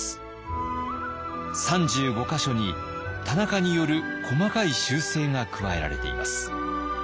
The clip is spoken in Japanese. ３５か所に田中による細かい修正が加えられています。